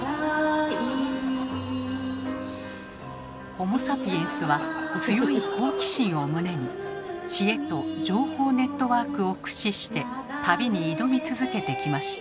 ホモ・サピエンスは強い好奇心を胸に知恵と情報ネットワークを駆使して旅に挑み続けてきました。